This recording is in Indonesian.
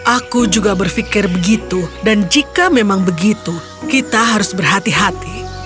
aku juga berpikir begitu dan jika memang begitu kita harus berhati hati